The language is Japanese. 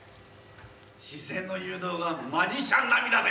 視線の誘導がマジシャン並みだぜ！